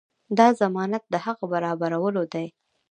دا ضمانت د هغه برابرولو دی.